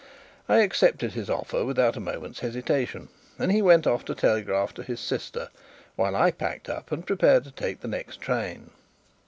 I accepted his offer without a moment's hesitation, and he went off to telegraph to his sister, while I packed up and prepared to take the next train.